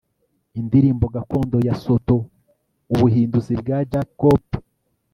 indirimbo gakondo ya sotho. ubuhinduzi bwa jack cope